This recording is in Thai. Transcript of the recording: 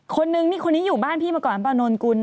คนนึงนี่คนนี้อยู่บ้านพี่มาก่อนป้านนกุลนะ